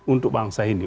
untuk bangsa ini